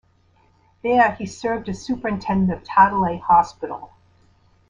There, he served as Superintendent of Tadalay Hospital.